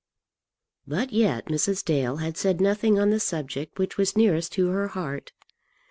But yet Mrs. Dale had said nothing on the subject which was nearest to her heart.